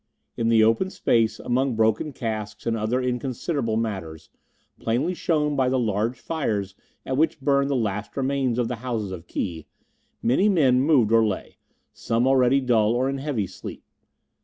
In the open space, among broken casks and other inconsiderable matters, plainly shown by the large fires at which burned the last remains of the houses of Ki, many men moved or lay, some already dull or in heavy sleep.